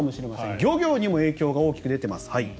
漁業にも影響が大きく出ています。